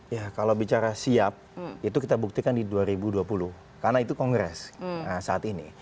ya kalau bicara siap itu kita buktikan di dua ribu dua puluh karena itu kongres saat ini